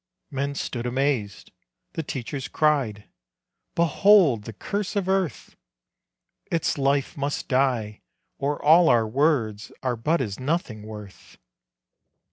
Men stood amazed. The teachers cried, "Behold the curse of earth! Its life must die or all our words Are but as nothing worth."